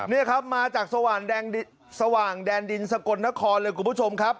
นี่ครับมาจากสว่างสว่างแดนดินสกลนครเลยคุณผู้ชมครับ